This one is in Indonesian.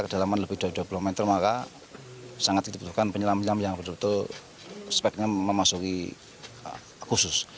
kedalaman lebih dari dua puluh meter maka sangat dibutuhkan penyelam penyelam yang betul betul speknya memasuki khusus